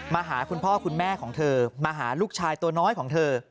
มาหาคุณพ่อคุณแม่ของเธอมาหาลูกชายตัวน้อยของเธอ